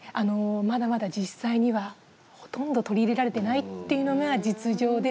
まだまだ実際にはほとんど取り入れられてないっていうのが実情です。